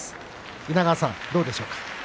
稲川さん、どうでしょうか？